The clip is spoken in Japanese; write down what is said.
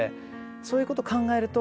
そういうこと考えると。